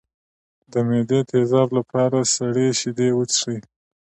د معدې د تیزابیت لپاره سړې شیدې وڅښئ